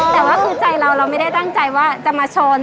แต่ว่าคือใจเราเราไม่ได้ตั้งใจว่าจะมาชน